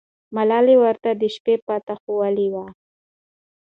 ملالۍ ورته د شپې پته ښووله.